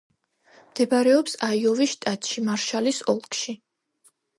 მდებარეობს აიოვის შტატში, მარშალის ოლქში.